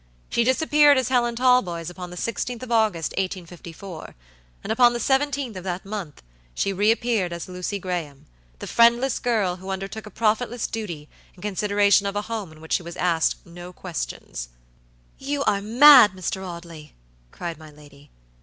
She disappeared as Helen Talboys upon the 16th of August, 1854, and upon the 17th of that month she reappeared as Lucy Graham, the friendless girl who undertook a profitless duty in consideration of a home in which she was asked no questions." "You are mad, Mr. Audley!" cried my lady.